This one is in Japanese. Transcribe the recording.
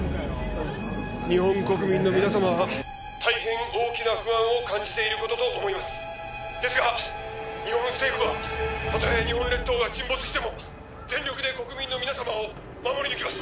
日本国民の皆様大変大きな不安を感じていることと思いますですが日本政府はたとえ日本列島が沈没しても全力で国民の皆様を守り抜きます！